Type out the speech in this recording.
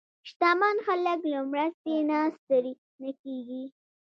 شتمن خلک له مرستې نه ستړي نه کېږي.